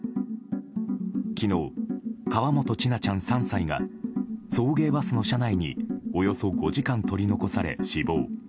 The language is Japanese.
昨日、河本千奈ちゃん、３歳が送迎バスの車内におよそ５時間取り残され死亡。